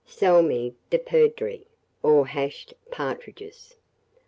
SALMI DE PERDRIX, or HASHED PARTRIDGES.